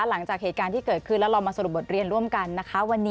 หลังจากเหตุการณ์ที่เกิดขึ้นแล้วเรามาสรุปบทเรียนร่วมกันนะคะ